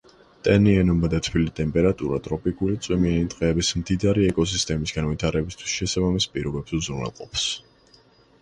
ტენიანობა და თბილი ტემპერატურა ტროპიკული წვიმიანი ტყეების მდიდარი ეკოსისტემის განვითარებისთვის შესაბამის პირობებს უზრუნველყოფს.